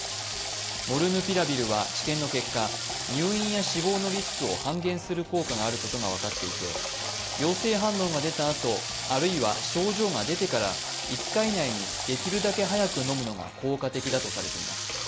モルヌピラビルは治験の結果、入院や死亡のリスクを半減する効果があることが分かっていて陽性反応が出たあと、あるいは症状が出てから５日以内に、できるだけ早く飲むのが効果的だとされています。